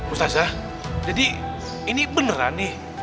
ustazah jadi ini beneran nih